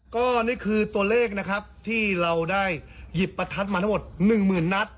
ก็นี่คือตัวเลขนะครับที่เราได้หยิบประทัดมาทั้งหมด๑๐๐๐นัด